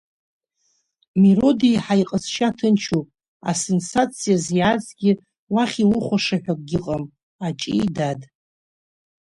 Мирод еиҳа иҟазшьа ҭынчуп, асенсациаз иаазгьы, уахь иухәаша ҳәа акгьы ыҟам, Аҷи, дад.